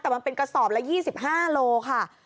แต่มันเป็นกระสอบละ๒๕โลค่ะ